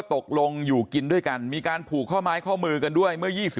ตกลงอยู่กินด้วยกันมีการผูกข้อไม้ข้อมือกันด้วยเมื่อ๒๐